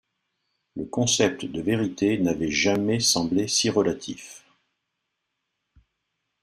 Le concept de vérité n’avait jamais semblé si relatif.